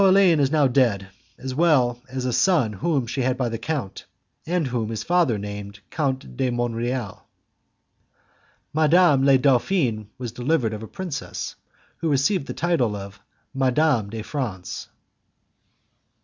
Coraline is now dead, as well as a son whom she had by the count, and whom his father named Count de Monreal. Madame la Dauphine was delivered of a princess, who received the title of Madame de France.